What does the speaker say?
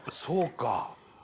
そうか。